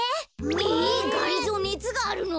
えっがりぞーねつがあるの？